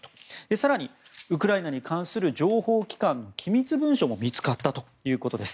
更に、ウクライナに関する情報機関の機密文書も見つかったということです。